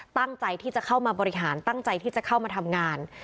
ตั้งใจที่จะเข้ามาบริหารตั้งใจที่จะเข้ามาทำงาน